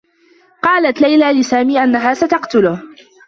قالت ليلى لسامي أنّها ستقتله.